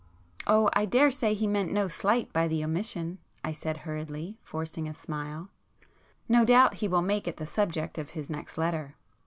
"Oh I daresay he meant no slight by the omission," I said hurriedly, forcing a smile—"No doubt he will make it the subject of his next letter.